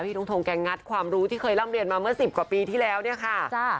ทงทงแกงัดความรู้ที่เคยร่ำเรียนมาเมื่อ๑๐กว่าปีที่แล้วเนี่ยค่ะ